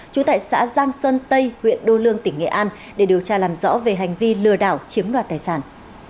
trú tại xã giang sơn tây huyện đô lương tỉnh nghệ an để điều tra làm rõ về hành vi lừa đảo chiếm đoạt tài sản